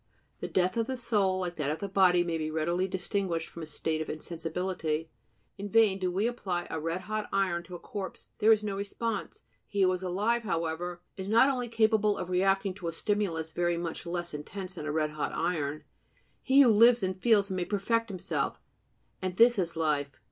The death of the soul, like that of the body, may be readily distinguished from a state of insensibility; in vain do we apply a red hot iron to a corpse; there is no response. He who is alive, however, is not only capable of reacting to a stimulus very much less intense than a red hot iron; he who lives and feels may perfect himself and this is life.